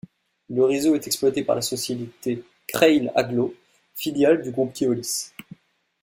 Le réseau est exploité par la société Creil agglo, filiale du groupe Keolis.